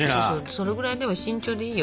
そのぐらい慎重でいいよ。